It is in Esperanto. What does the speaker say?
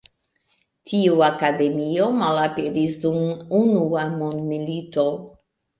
Tiu akademio malaperis dum Unua mondmilito.